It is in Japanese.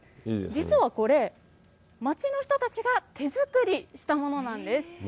実はこれ、街の人たちが手作りしたものなんです。